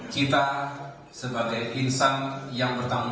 kita sebagai insan yang bertangani akses